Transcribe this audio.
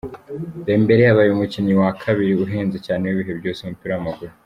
Dembele abaye umukinnyi wa kabiri uhenze cyane w'ibihe byose mu mupira w'amaguru.